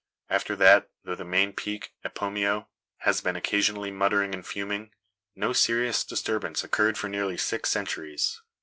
After that, though the main peak, Epomeo, has been occasionally muttering and fuming, no serious disturbance occurred for nearly six centuries.